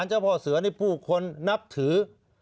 เจ้าพ่อเสือนี่ผู้คนนับถือ